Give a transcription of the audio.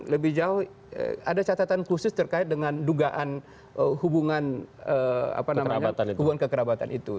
lebih jauh ada catatan khusus terkait dengan dugaan hubungan kekerabatan itu